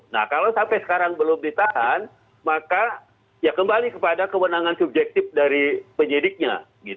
nah kalau sampai sekarang belum ditahan maka ya kembali kepada kewenangan subjektif dari penyidiknya